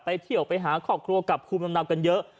ไปเที่ยวออกไปหาของครัวกับพี่น้นเดือนหน้ากันเยอะ